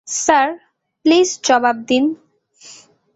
Sir, please, জবাব দিন।